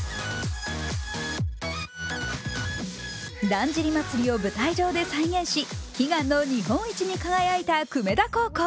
だんじり祭を舞台上で再現し悲願の日本一に輝いた久米田高校。